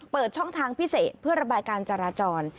เปิดช่องทางพิเศษเพื่อระบายการจราจร